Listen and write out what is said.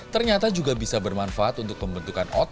ternyata juga bisa bermanfaat untuk pembentukan otot